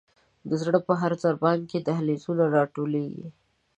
د زړه په هر ضربان کې دهلیزونه را ټولیږي.